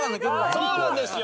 そうなんですよ。